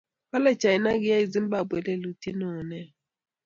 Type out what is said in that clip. kale china kiyai zimbabwe lelutiet newon nea